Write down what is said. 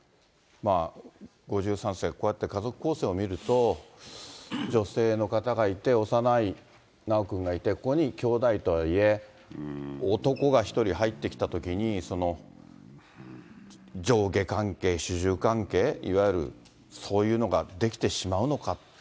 ５３世、こうして家族構成を見ると、女性の方がいて、幼い修くんがいて、ここにきょうだいとはいえ、男が１人入ってきたときに、上下関係、主従関係、いわゆるそういうのができてしまうのか。